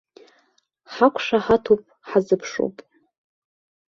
Ҳақәшаҳаҭуп, ҳазыԥшуп.